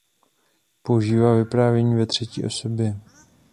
Používá vyprávění ve třetí osobě.